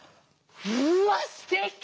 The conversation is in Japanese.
うわすてき！